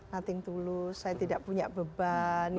nothing tulus saya tidak punya beban